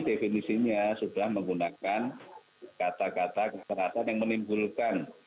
definisinya sudah menggunakan kata kata kekerasan yang menimbulkan